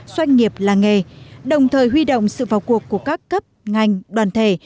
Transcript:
doanh nghiệp làng nghề đồng thời huy động sự vào cuộc của các cấp ngành đoàn thể